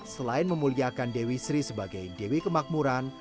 selain memuliakan dewi sri sebagai dewi kemakmuran